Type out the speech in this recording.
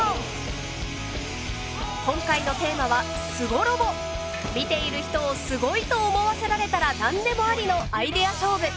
今回のテーマは見ている人を「すごい！」と思わせられたら何でもありのアイデア勝負。